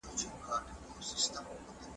د ګډو ارزښتونو بدلون ثبت کړه.